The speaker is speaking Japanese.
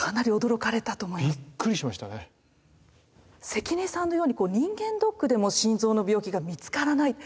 関根さんのように人間ドックでも心臓の病気が見つからない。